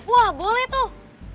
wah boleh tuh